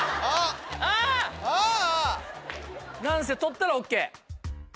何せ取ったらＯＫ。